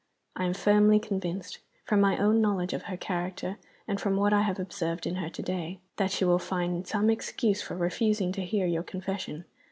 I am firmly convinced from my own knowledge of her character, and from what I have observed in her to day that she will find some excuse for refusing to hear your confession.